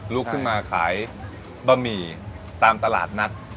ลุกขึ้นมาขายบะหมี่ตามตลาดนัด